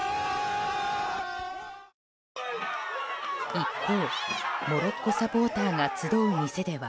一方、モロッコサポーターが集う店では。